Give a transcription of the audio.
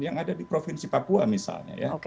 yang ada di provinsi papua misalnya ya